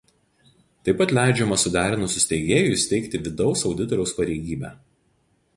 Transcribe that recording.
Taip pat leidžiama suderinus su steigėju įsteigti vidaus auditoriaus pareigybę.